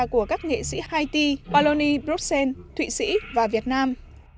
của các nghệ sĩ haiti balonie bruxelles thụy sĩ và việt nam